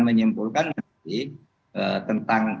menyimpulkan nanti tentang